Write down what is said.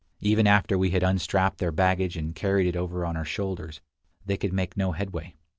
Even after we had unstrapped their baggage and carried it over on our shoulders, they could make no headway.